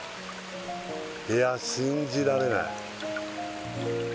いや信じられない